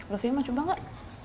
lovia mau coba gak